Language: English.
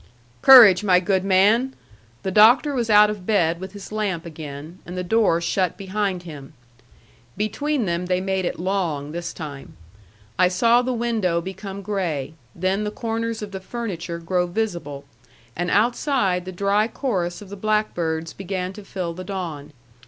"Courage, my good man." The Doctor was out of bed with his lamp again, and the door shut behind him. Between them they made it long this time. I saw the window become gray; then the corners of the furniture grow visible; and outside, the dry chorus of the blackbirds began to fill the dawn.